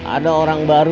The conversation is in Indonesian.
ada orang baru